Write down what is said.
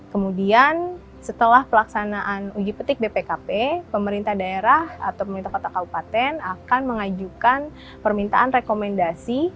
kemudian setelah pelaksanaan uji petik bpkp pemerintah daerah atau pemerintah kota kabupaten akan mengajukan permintaan rekomendasi